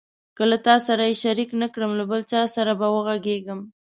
که له تا سره یې شریک نه کړم له بل چا سره به وغږېږم.